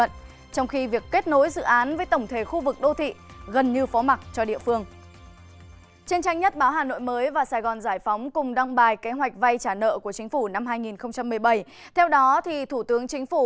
trong đó trả nợ trực tiếp của chính phủ năm hai nghìn một mươi bảy là hai trăm bốn mươi hai chín trăm linh tỷ đồng